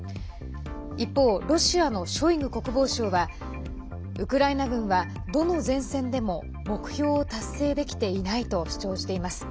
一方、ロシアのショイグ国防相はウクライナ軍は、どの前線でも目標を達成できていないと主張しています。